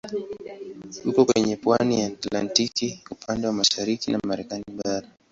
Uko kwenye pwani ya Atlantiki upande wa mashariki ya Marekani bara.